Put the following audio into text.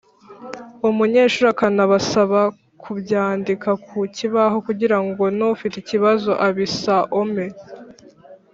umunyeshuri akanabasaba kubyandika ku kibaho kugira ngo n’ufite ikibazo abisaome